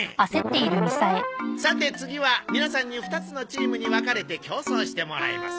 さて次は皆さんに２つのチームに分かれて競争してもらいます。